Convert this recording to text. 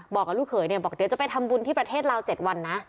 บอกกับลูกเขยเนี่ยบอกเดี๋ยวจะไปทำบุญที่ประเทศลาว๗วันนะ